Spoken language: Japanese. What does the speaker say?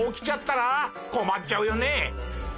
困っちゃうよね。